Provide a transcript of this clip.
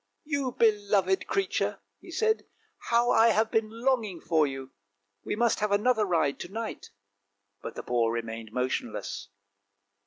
:' You beloved creature! " he said, " how I have been longing for you! we must have another ride to night! But the boar remained motionless.